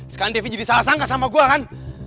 sekarang devi jadi salah sangka sama gue kan